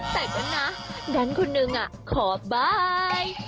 แต่ยังไงดังคุณหนึ่งขอบ้าย